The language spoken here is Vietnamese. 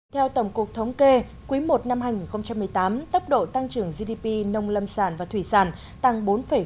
theo tổng cục thống kê quý i năm hai nghìn một mươi tám tốc độ tăng trưởng gdp nông lâm sản và thủy sản tăng bốn ba